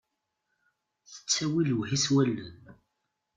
Tettawi lewhi s wallen.